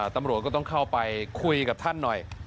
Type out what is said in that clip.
ตำรวจก็ต้องเข้าไปคุยกับท่านหน่อย